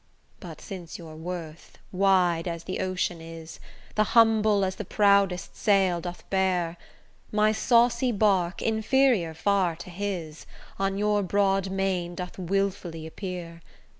But since your wort, wide as the ocean is, The humble as the proudest sail doth bear, My saucy bark, inferior far to his, On your broad main doth wilfully appear.